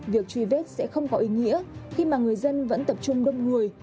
việc truy vết sẽ không có ý nghĩa khi mà người dân vẫn tập trung đông người